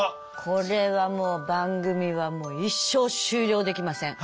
これはもう番組はもう一生終了できません。